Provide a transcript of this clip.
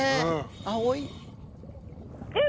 青い。